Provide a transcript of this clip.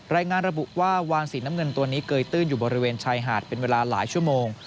รายงานระบุว่าวานสีน้ำเงินตัวนี้เกยตื้นอยู่บริเวณชายหาดเป็นเวลาหลายชั่วโมง